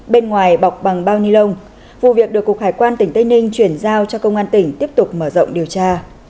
bên ngoài bọc bằng bao ni lông vụ việc được cục hải quan tỉnh tây ninh chuyển giao cho công an tỉnh tiếp tục mở rộng điều tra